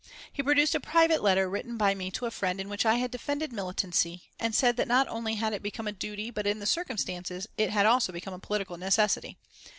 He produced a private letter written by me to a friend in which I had defended militancy, and said that not only had it become a duty but in the circumstances it had also become a political necessity.